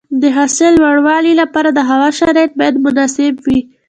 د حاصل د لوړوالي لپاره د هوا شرایط باید مناسب وي.